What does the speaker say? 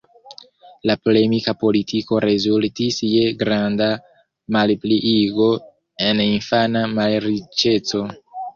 La polemika politiko rezultis je granda malpliigo en infana malriĉeco.